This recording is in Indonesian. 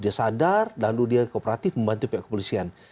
dia sadar lalu dia kooperatif membantu pihak kepolisian